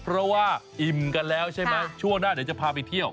เพราะว่าอิ่มกันแล้วใช่ไหมช่วงหน้าเดี๋ยวจะพาไปเที่ยว